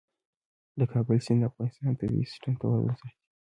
د کابل سیند د افغانستان د طبعي سیسټم توازن ساتي.